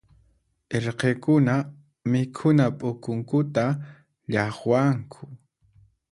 Irqikuna mikhuna p'ukunkuta llaqwanku.